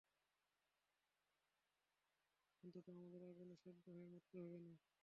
অন্তত আমাদের আগুনে সেদ্ধ হয়ে মরতে হবে না!